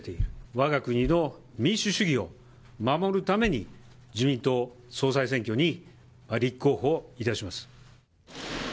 わが国の民主主義を守るために、自民党総裁選挙に立候補いたします。